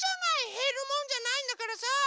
へるもんじゃないんだからさ。